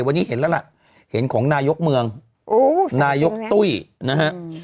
วันนี้เห็นแล้วล่ะเห็นของนายกเมืองนายกตุ้ยนะฮะ